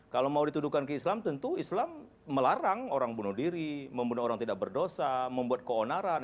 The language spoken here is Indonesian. kalau mau dituduhkan ke islam tentu islam melarang orang bunuh diri membunuh orang tidak berdosa membuat keonaran